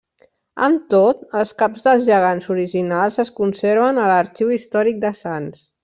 Amb tot, els caps dels gegants originals es conserven a l’Arxiu Històric de Sants.